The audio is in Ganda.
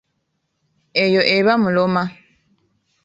Eyo eba muloma.